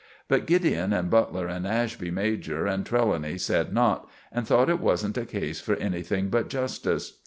But Gideon and Butler and Ashby major and Trelawny said not, and thought it wasn't a case for anything but justice.